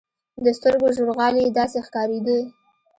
د سترګو ژورغالي يې داسې ښکارېدې.